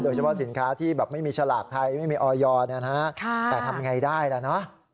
สินค้าที่แบบไม่มีฉลากไทยไม่มีออยอร์แต่ทำไงได้ล่ะเนอะ